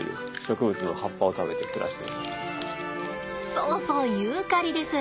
そうそうユーカリです。